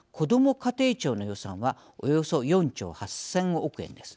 家庭庁の予算はおよそ４兆８０００億円です。